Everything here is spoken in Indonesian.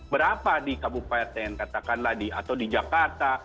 berapa di kabupaten katakanlah atau di jakarta